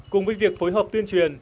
cùng với việc phối hợp tuyên truyền